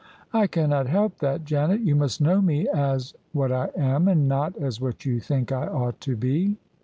" I cannot help that, Janet. You must know me as what I am, and not as what you think I ought to be."